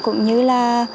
cũng như là